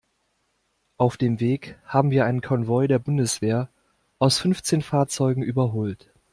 Auf dem Weg haben wir einen Konvoi der Bundeswehr aus fünfzehn Fahrzeugen überholt.